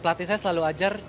pelatih saya selalu ajar